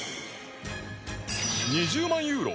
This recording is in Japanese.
２０万ユーロ